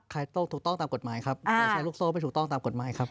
ขายตรงถูกต้องตามกฎหมายครับแต่แชร์ลูกโซ่ไม่ถูกต้องตามกฎหมายครับ